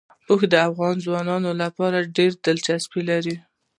اوښ د افغان ځوانانو لپاره ډېره دلچسپي لري.